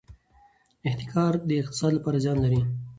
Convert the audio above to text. احتکار د اقتصاد لپاره زیان لري.